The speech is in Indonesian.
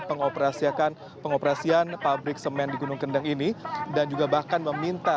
mengoperasikan pabrik semen di gunung kendang ini dan juga bahkan meminta